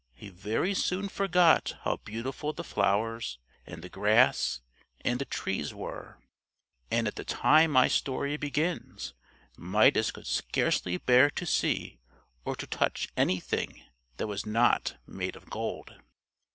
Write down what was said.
He very soon forgot how beautiful the flowers, and the grass, and the trees were, and at the time my story begins Midas could scarcely bear to see or to touch anything that was not made of gold.